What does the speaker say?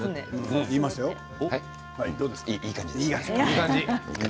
いい感じです。